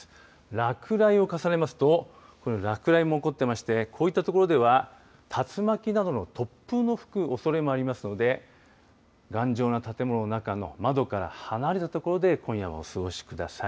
落雷を重ねますと落雷も起こっていましてこういった所では竜巻などの突風も吹くおそれもありますので頑丈な建物の中の窓から離れた所で今夜はお過ごしください。